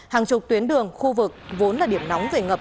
hàng chục tuyến đường khu vực vốn là điểm nóng về ngập